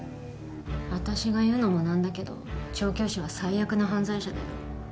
私が言うのもなんだけど調教師は最悪な犯罪者だよ